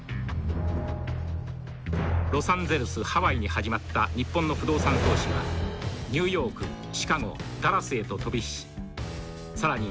「ロサンゼルスハワイに始まった日本の不動産投資はニューヨークシカゴダラスへと飛び火し更に